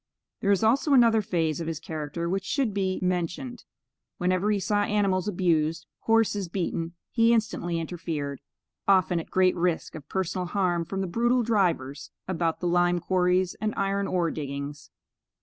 There is also another phase of his character which should be mentioned. Whenever he saw animals abused, horses beaten, he instantly interfered, often at great risk of personal harm from the brutal drivers about the lime quarries and iron ore diggings.